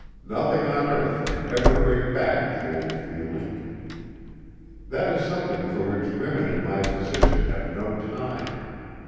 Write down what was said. Nothing on earth can ever bring back the old feeling. That is something for which women in my position have no time.